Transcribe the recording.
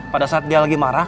pada saat dia lagi marah